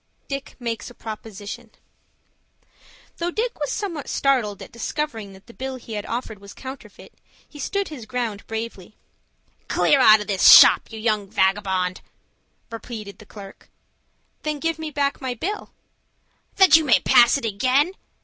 DICK MAKES A PROPOSITION Though Dick was somewhat startled at discovering that the bill he had offered was counterfeit, he stood his ground bravely. "Clear out of this shop, you young vagabond," repeated the clerk. "Then give me back my bill." "That you may pass it again?